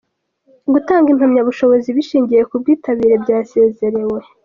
Gutanga impamyabushobozi bishingiye ku bwitabire byasezerewe.